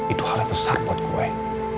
itu hal yang besar buat gue